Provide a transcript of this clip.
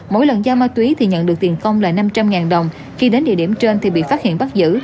mỗi lần giao ma túy thì nhận được tiền công là năm trăm linh đồng khi đến địa điểm trên thì bị phát hiện bắt giữ